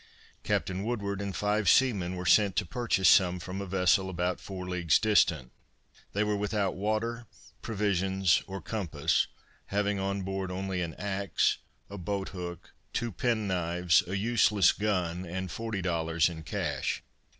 Captain Woodward and five seamen were sent to purchase some from a vessel about four leagues distant. They were without water, provisions, or compass, having on board only an axe, a boat hook, two penknives, a useless gun and forty dollars in cash.